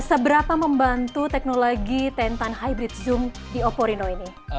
seberapa membantu teknologi tentan hybrid zoom di oppo reno ini